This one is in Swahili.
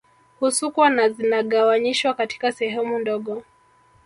Husukwa na zinagawanyishwa katika sehemu ndogo